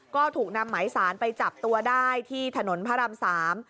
ก็ถูกนำหมายสารไปจับตัวได้ที่ถนนพระรามสาม